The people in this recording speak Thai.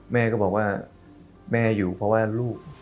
แม่ก็บอกว่าแม่อยู่เพราะว่าลูก